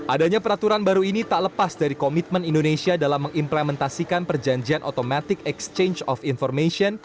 adanya peraturan baru ini tak lepas dari komitmen indonesia dalam mengimplementasikan perjanjian automatic exchange of information